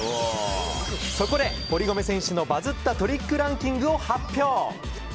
そこで堀米選手の、バズったトリックランキングを発表。